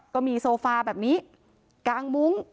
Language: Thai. ก็มีโซฟาแบบนี้กางมุ้ง